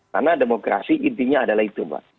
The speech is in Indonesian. karena demokrasi intinya adalah itu pak